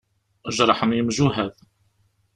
Jerḥen yemjuhad.